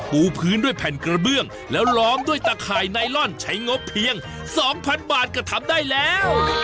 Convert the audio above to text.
ปูพื้นด้วยแผ่นกระเบื้องแล้วล้อมด้วยตะข่ายไนลอนใช้งบเพียง๒๐๐๐บาทก็ทำได้แล้ว